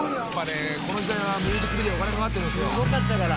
「この時代はミュージックビデオお金かかってるんですよ」